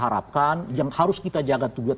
harapkan yang harus kita jaga tugas